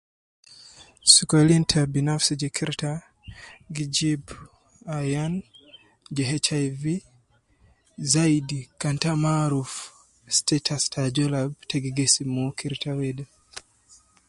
Somolin ta binafsi je kirta gi jibu Ayan ja HIV zaidi kan ita maarifa status ta azol ita gi gesim mo kirata de.